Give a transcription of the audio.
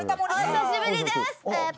お久しぶりです。